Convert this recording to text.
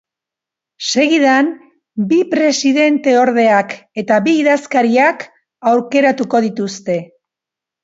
Segidan, bi presidenteordeak eta bi idazkariak aukeratuko dituzte.